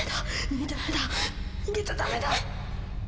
逃げちゃだめだ！